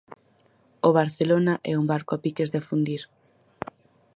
O Barcelona é un barco a piques de afundir.